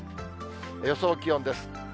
予想気温です。